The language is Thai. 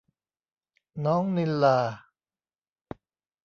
น้องณิลลา